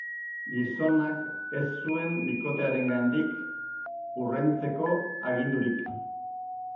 Gizonak ez zuen bikotearengandik urruntzeko agindurik.